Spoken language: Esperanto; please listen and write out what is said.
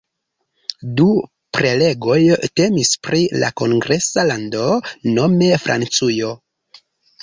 Du prelegoj temis pri la kongresa lando, nome Francujo.